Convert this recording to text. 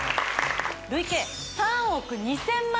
累計３億２０００万円